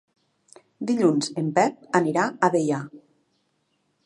Dilluns en Pep anirà a Deià.